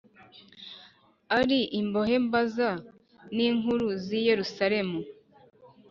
ari imbohe mbaza n inkuru z i Yerusalemu